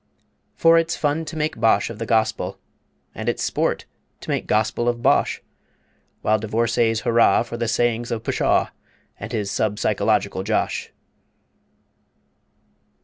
For it's fun to make bosh of the Gospel, And it's sport to make gospel of Bosh, While divorcées hurrah For the Sayings of Pshaw And his sub psychological Josh.